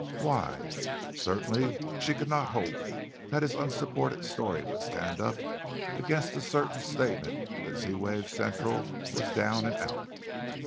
Why? Certainly she could not hope that his unsupported story would stand up against the certain statement that Z wave Central was down and out.